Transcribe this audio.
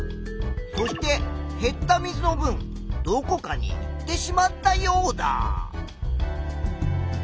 そして減った水のぶんどこかにいってしまったヨウダ。